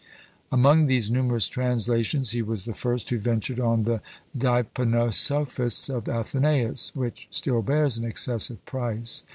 Among these numerous translations he was the first who ventured on the Deipnosophists of AthenÃḊus, which still bears an excessive price.